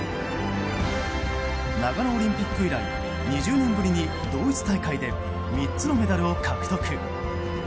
長野オリンピック以来２０年ぶりに同一大会で３つのメダルを獲得。